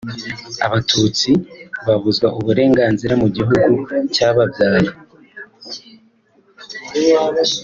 abatutsi babuzwa uburenganzira mu gihugu cyababyaye